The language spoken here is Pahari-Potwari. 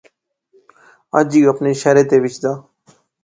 اج وی او اپنے شہرے وچ دا